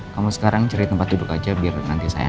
kamu sekarang cari tempat duduk aja biar nanti saya